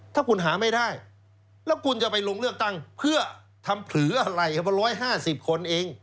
ถ้าคุณหาไม่ได้แล้วคุณจะไปลงเลือกตั้งเพื่อทำเผลออะไรครับว่า๑๕๐คนเอง